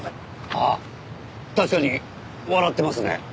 あっ確かに笑ってますね。